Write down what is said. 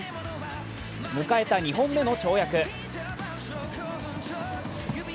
迎えた２本目の跳躍。